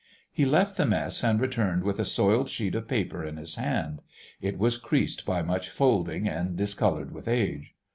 He left the mess and returned with a soiled sheet of paper in his hand; it was creased by much folding and discoloured with age.